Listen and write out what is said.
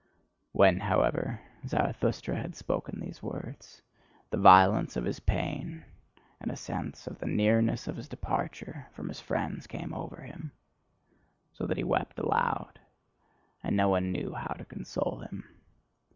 When, however, Zarathustra had spoken these words, the violence of his pain, and a sense of the nearness of his departure from his friends came over him, so that he wept aloud; and no one knew how to console him.